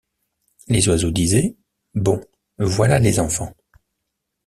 Les oiseaux disaient: Bon! voilà les enfants !